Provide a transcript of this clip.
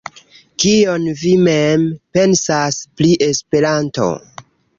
Kion vi mem pensas pri Esperanto?